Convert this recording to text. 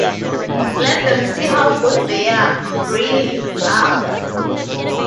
Let them see how good they "really" are.